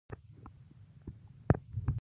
کرنيز انقلاب د بشري ژوند لپاره یو خطرناک فریب و.